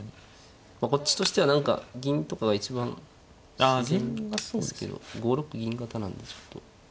こっちとしては何か銀とかが一番自然な５六銀型なんでちょっと。